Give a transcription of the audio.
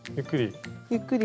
ゆっくり。